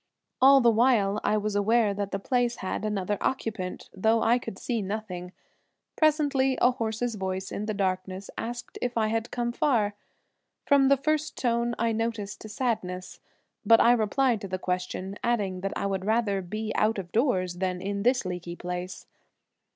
All the while I was aware that the place had another occupant, though I could see nothing. Presently a horse's voice in the darkness asked if I had come far. From the first tone I noticed a sadness, but I replied to the question, adding that I would rather be out of doors than in this leaky place.